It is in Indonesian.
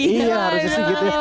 iya harusnya sih gitu ya